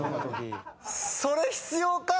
それ必要か！